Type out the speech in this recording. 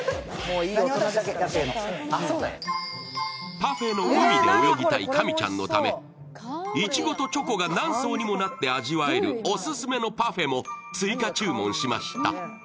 パフェの海で泳ぎたい神ちゃんのためにいちごとチョコが何層にもなって味わえるオススメのパフェも追加注文しました。